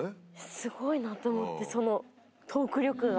すごいなと思ってそのトーク力が。